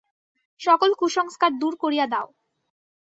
সকল কুসংস্কার দূর করিয়া দাও।